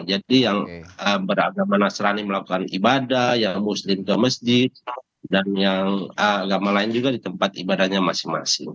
jadi yang beragama nasrani melakukan ibadah yang muslim ke masjid dan yang agama lain juga di tempat ibadahnya masing masing